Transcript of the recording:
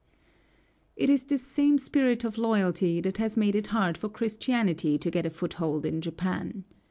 It is this same spirit of loyalty that has made it hard for Christianity to get a foothold in Japan.